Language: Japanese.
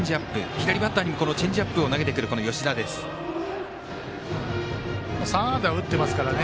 左バッターにもチェンジアップを投げてくる３安打打ってますからね。